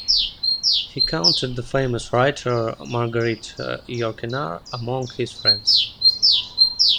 He counted the famous writer Marguerite Yourcenar among his friends.